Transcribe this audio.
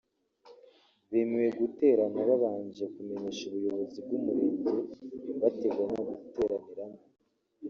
bemerewe guterana babanje kumenyesha ubuyobozi bw’umurenge bateganya guteraniramo